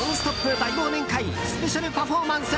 大忘年会スペシャルパフォーマンス。